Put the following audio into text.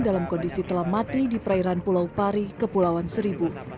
dalam kondisi telah mati di perairan pulau pari kepulauan seribu